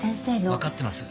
わかってます。